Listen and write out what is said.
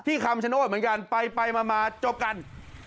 คำชโนธเหมือนกันไปมาจบกัน